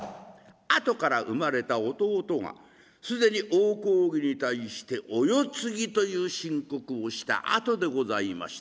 後から生まれた弟が既に大公儀に対してお世継ぎという申告をしたあとでございました。